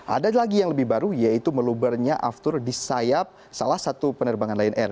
ada lagi yang lebih baru yaitu melubernya aftur di sayap salah satu penerbangan lion air